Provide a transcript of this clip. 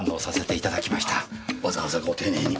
あわざわざご丁寧に。